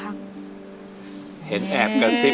อเรนนี่คือเหตุการณ์เริ่มต้นหลอนช่วงแรกแล้วมีอะไรอีก